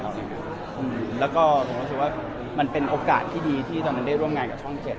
แล้วก็ผมรู้สึกว่ามันเป็นโอกาสที่ดีที่ตอนนั้นได้ร่วมงานกับช่อง๗